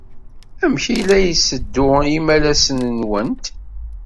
Amek ay la yetteddu yimalas-nwent?